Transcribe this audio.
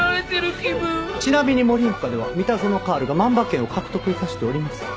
ちなみに盛岡ではミタゾノカールが万馬券を獲得致しております。